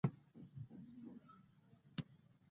واوره د افغانستان د کلتوري میراث یوه مهمه برخه ده.